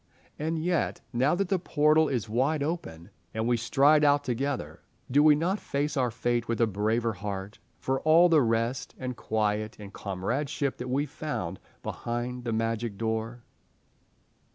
And yet, now that the portal is wide open and we stride out together, do we not face our fate with a braver heart for all the rest and quiet and comradeship that we found behind the Magic Door?